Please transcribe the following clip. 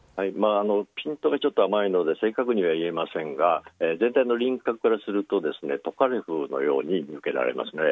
ピントがちょっと甘いので正確には言えませんが全体の輪郭からするとトカレフのように見受けられます。